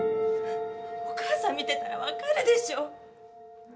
お母さん見てたら分かるでしょ。